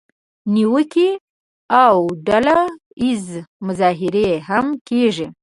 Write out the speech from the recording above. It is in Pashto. نیوکې او ډله اییزه مظاهرې هم کیږي.